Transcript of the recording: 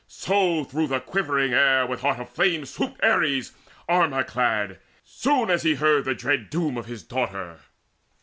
So through the quivering air with heart aflame Swooped Ares armour clad, soon as he heard The dread doom of his daughter.